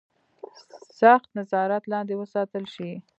سخت نظارت لاندې وساتل شي.